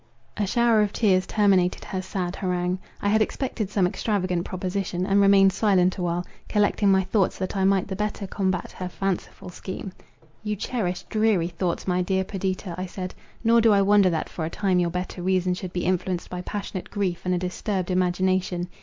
A shower of tears terminated her sad harangue. I had expected some extravagant proposition, and remained silent awhile, collecting my thoughts that I might the better combat her fanciful scheme. "You cherish dreary thoughts, my dear Perdita," I said, "nor do I wonder that for a time your better reason should be influenced by passionate grief and a disturbed imagination.